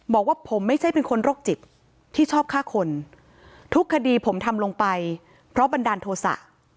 บอกว่าผมไม่ใช่เป็นคนโรคจิตที่ชอบฆ่าคนทุกคดีผมทำลงไปเพราะบันดาลโทษะ